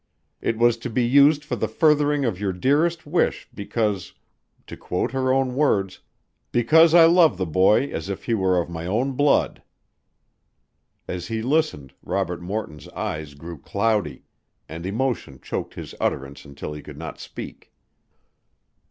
It was to be used for the furthering of your dearest wish because to quote her own words because I love the boy as if he were of my own blood." As he listened, Robert Morton's eyes grew cloudy, and emotion choked his utterance until he could not speak.